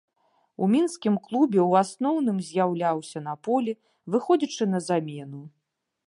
У мінскім клубе ў асноўным з'яўляўся на полі, выходзячы на замену.